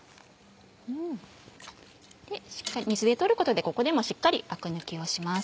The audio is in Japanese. しっかり水で取ることでここでもしっかりアク抜きをします。